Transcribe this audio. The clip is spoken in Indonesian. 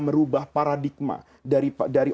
merubah paradigma dari